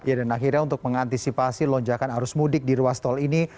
ya dan akhirnya untuk mengantisipasi lonjakan arus mudik di ruas tol ini